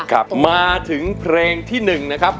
กลับมาถึงเพลงที่๑นะครับ